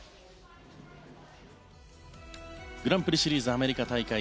グランプリシリーズアメリカ大会。